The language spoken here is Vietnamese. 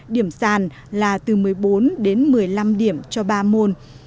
điểm sàn là từ một mươi bốn đến một mươi năm điểm cho ba môn